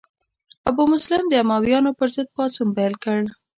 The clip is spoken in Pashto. ابو مسلم د امویانو پر ضد پاڅون پیل کړ.